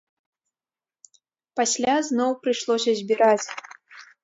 Пасля зноў прыйшлося збіраць.